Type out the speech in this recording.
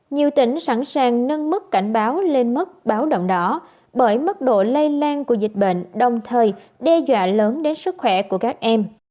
nhiều tỉnh sẵn sàng nâng mức cảnh báo lên mức báo động đỏ bởi mức độ lây lan của dịch bệnh đồng thời đe dọa lớn đến sức khỏe của các em